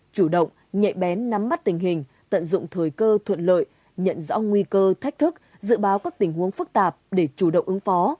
chủ động nhạy bén nắm mắt tình hình tận dụng thời cơ thuận lợi nhận rõ nguy cơ thách thức dự báo các tình huống phức tạp để chủ động ứng phó